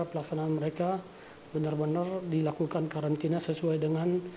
pelaksanaan mereka benar benar dilakukan karantina sesuai dengan